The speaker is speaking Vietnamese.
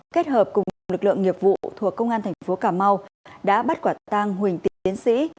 kết hợp cùng nhiều lực lượng nghiệp vụ thuộc công an thành phố cà mau đã bắt quả tang huỳnh tiến sĩ